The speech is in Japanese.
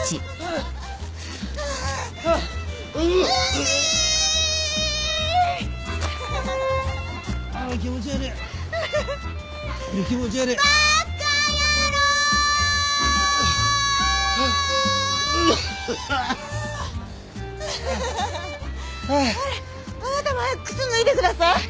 あなたも早く靴脱いでください。